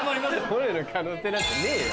モネの可能性なんてねえよ。